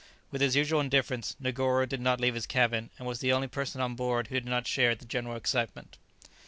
With his usual indifference, Negoro did not leave his cabin, and was the only person on board who did not share the general excitement.